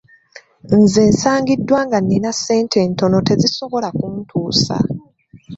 Nze nsangiddwa nga nnina ssente ntono tezisobola kuntuusa.